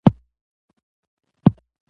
کار د زده کړې له لارې اسانه کېږي